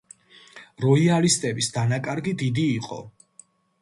როიალისტების დანაკარგი დიდი იყო.